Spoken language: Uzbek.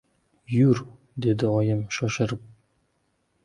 — Yur, — dedi oyim shoshirib.